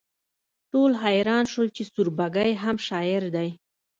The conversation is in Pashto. ټول حیران شول چې سوربګی هم شاعر دی